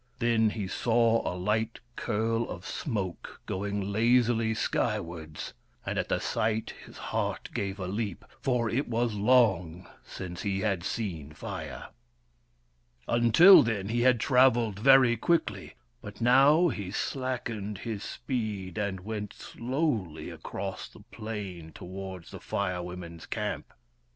Then he saw a light curl of smoke going lazily skywards, and at the sight his heart gave a leap, for it was long since he had seen Fire. Until then he had travelled very quickly. But now he slackened his speed and went slowly across the plain towards the Fire Women's camp.